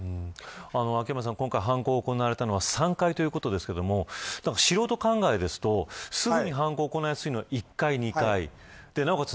秋山さん、今回犯行が行われたのは３階ですが素人考えだと、すぐに犯行が行いやすいのは１階２階、なおかつ